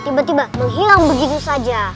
tiba tiba menghilang begitu saja